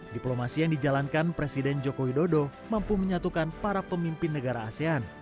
diplomasi yang dijalankan presiden joko widodo mampu menyatukan para pemimpin negara asean